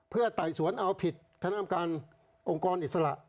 เพื่อไต่สวนเอาผิดคณะกรรมการองค์กรอิสระ